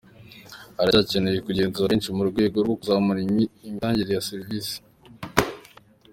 Haracyakenewe kugenzura kenshi mu rwego rwo kuzamura imitangire ya serivisi.